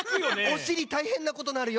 おしりたいへんなことなるよ。